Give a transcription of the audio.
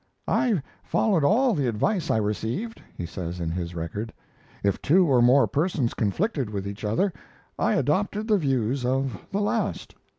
"I followed all the advice I received," he says in his record. "If two or more persons conflicted with each other, I adopted the views of the last."